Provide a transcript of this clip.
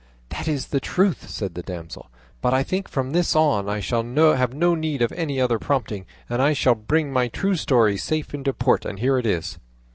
"That is the truth," said the damsel; "but I think from this on I shall have no need of any prompting, and I shall bring my true story safe into port, and here it is.